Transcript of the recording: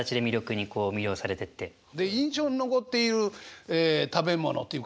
で印象に残っている食べ物っていうか